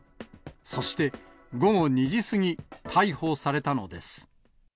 そして、午後２時過ぎ、逮捕されたのです。